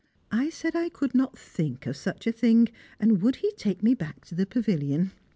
I said I could not think of such a thing, and would he take me back to the pavilion?